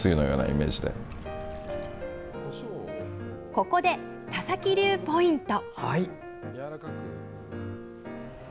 ここで、田崎流ポイント！